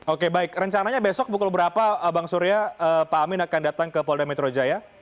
oke baik rencananya besok pukul berapa bang surya pak amin akan datang ke polda metro jaya